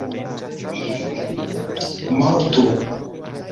mortu